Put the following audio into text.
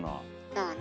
そうね。